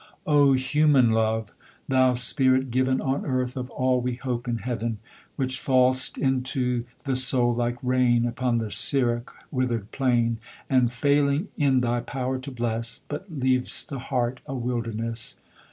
O, human love! thou spirit given, On Earth, of all we hope in Heaven! Which fall'st into the soul like rain Upon the Siroc wither'd plain, And, failing in thy power to bless, But leav'st the heart a wilderness!